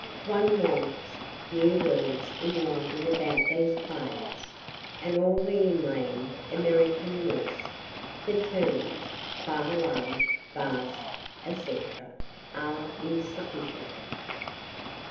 (One wants new words in writing about these plains, and all the inland American West the terms, far, large, vast, &c., are insufficient.)